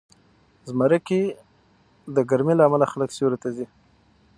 زمری کې د ګرمۍ له امله خلک سیوري ته ځي.